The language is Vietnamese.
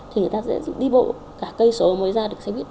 thì người ta sẽ đi bộ cả cây số mới ra được xe buýt